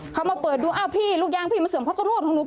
เขามาเปิดดูอ้าวพี่ลูกยางพี่มาเสื่อมเขาก็รูดของหนู